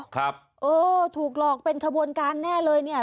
ครับเออถูกหลอกเป็นขบวนการแน่เลยเนี่ย